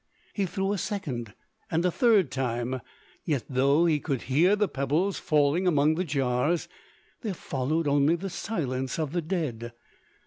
He threw a second and a third time; yet though he could hear the pebbles falling among the jars, there followed only the silence of the dead.